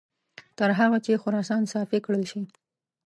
تر هغه چې خراسان صافي کړل شي.